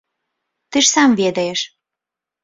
Ты ж сам ведаеш.